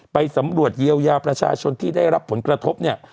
ไปสำรวจเยียวยาประชาชนที่ได้รับผลกระทบเนี่ย